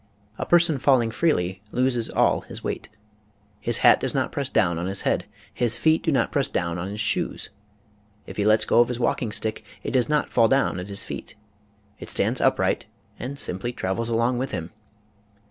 A person falling freely loses all his weight. His hat does not press down on his head. His feet do not press down on his shoes. If he lets^ go of his walking stick it does not " fall down " at his feet. It stands upright and simply travels along with him.